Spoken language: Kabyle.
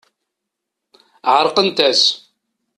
Ɛerqent-as.